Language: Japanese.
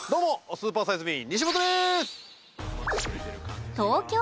スーパーサイズ・ミー西本です。